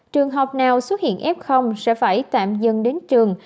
trường học nào xuất hiện f sẽ phải tạm dần đến trường